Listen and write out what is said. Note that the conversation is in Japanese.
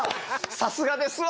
さすがですわ。